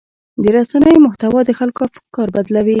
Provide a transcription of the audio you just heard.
د رسنیو محتوا د خلکو افکار بدلوي.